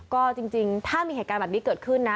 ก็จริงถ้ามีเหตุการณ์แบบนี้เกิดขึ้นนะ